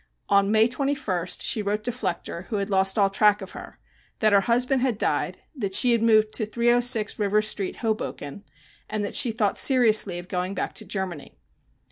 On May 21st she wrote to Flechter, who had lost all track of her, that her husband had died, that she had moved to 306 River Street, Hoboken, and that she thought seriously of going back to Germany.